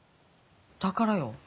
だからよ。